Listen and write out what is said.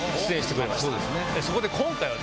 そこで今回は。